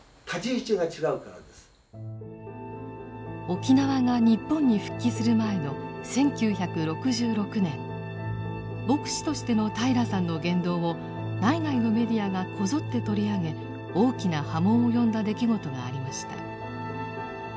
沖縄が日本に復帰する前の１９６６年牧師としての平良さんの言動を内外のメディアがこぞって取り上げ大きな波紋を呼んだ出来事がありました。